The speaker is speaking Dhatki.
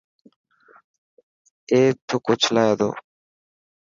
اي ٿڪ اوڇلائي تو.